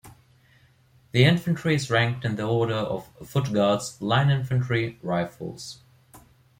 The infantry is ranked in the order of Foot Guards, Line infantry, Rifles.